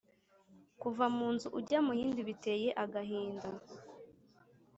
Kuva mu nzu ujya mu yindi biteye agahinda!